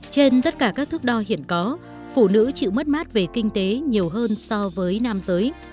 trên tất cả các thước đo hiện có phụ nữ chịu mất mát về kinh tế nhiều hơn so với nam giới